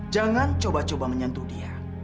jangan coba coba menyentuh dia